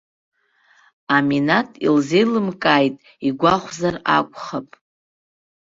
Аминаҭ илзеилымкааит игәахәзар акәхап.